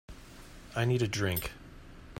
I need a drink.